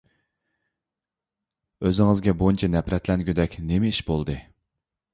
ئۆزىڭىزگە بۇنچە نەپرەتلەنگۈدەك نېمە ئىش بولدى؟